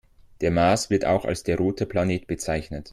Der Mars wird auch als der „rote Planet“ bezeichnet.